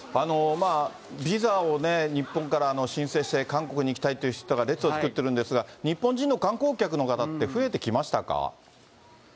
ビザをね、日本から申請して、韓国に行きたいという人が列を作ってるんですが、日本人の観光客の方って増えてきましたか？